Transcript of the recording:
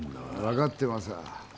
分かってますわ。